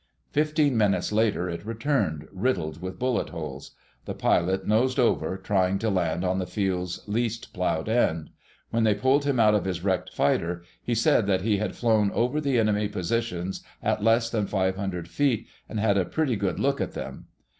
Fifteen minutes later it returned, riddled with bullet holes. The pilot nosed over trying to land on the field's least plowed end. When they pulled him out of his wrecked fighter he said that he had flown over the enemy positions at less than five hundred feet and had a pretty good look at them.